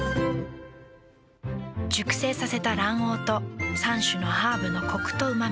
熟成させた卵黄と３種のハーブのコクとうま味。